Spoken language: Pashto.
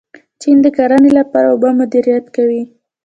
چین د کرنې لپاره اوبه مدیریت کوي.